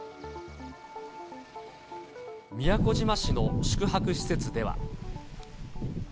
宮古島市の宿泊施設では。